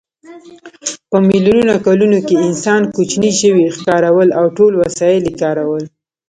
په میلیونو کلونو کې انسان کوچني ژوي ښکارول او ټول وسایل یې کارول.